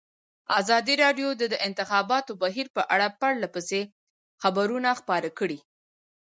ازادي راډیو د د انتخاباتو بهیر په اړه پرله پسې خبرونه خپاره کړي.